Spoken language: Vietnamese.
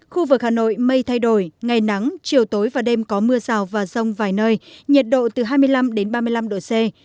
khu vực hà nội mây thay đổi ngày nắng chiều tối và đêm có mưa rào và rông vài nơi nhiệt độ từ hai mươi năm ba mươi năm độ c